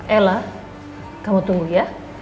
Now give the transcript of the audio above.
ella kamu tunggu ya